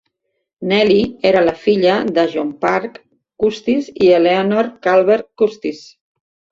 Nelly era la filla de John Parke Custis i Eleanor Calvert Custis.